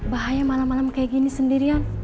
bahaya malam malam kayak gini sendirian